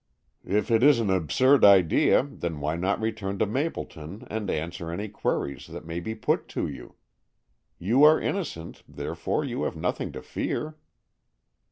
"If it is an absurd idea, then why not return to Mapleton and answer any queries that may be put to you? You are innocent, therefore you have nothing to fear."